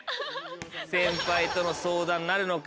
先輩との相談になるのか？